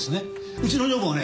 うちの女房がね